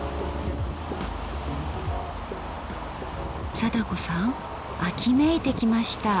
貞子さん秋めいてきました。